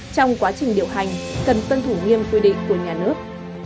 trong quá trình điều hành cần tuân thủ nghiêm quy định của nhà nước